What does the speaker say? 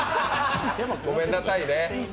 ごんなさいね。